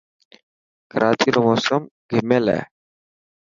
ڪراچي رو موسم گهميل هي.